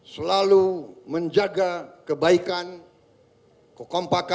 selalu menjaga kebaikan kekompakan